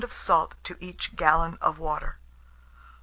of salt to each gallon of water.